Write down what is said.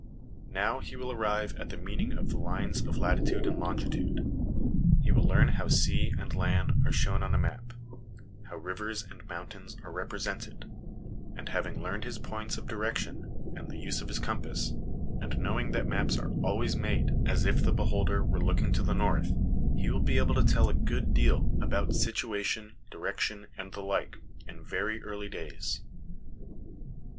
Now he will arrive at the meaning of the lines of latitude and longitude. He will learn how sea and land are shown on a map, how rivers and mountains are represented ; and having learned his points of direction and the use of his compass, and knowing that maps are always made as if the beholder were LESSONS AS INSTRUMENTS OF EDUCATION 279 looking to the north, he will be able to tell a good deal about situation, direction, and the like, in very early days.